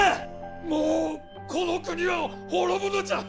もうこの国は滅ぶのじゃ！